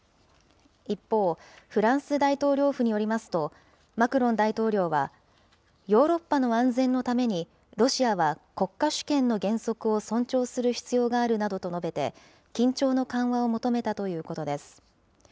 一方、フランス大統領府によりますと、マクロン大統領は、ヨーロッパの安全のために、ロシアは国家主権の原則を尊重する必要があるなどと述べて、緊張の緩和を求めたということです。